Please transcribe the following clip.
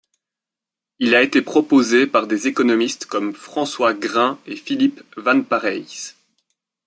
Il a été proposé par des économistes comme François Grin et Philippe Van Parijs.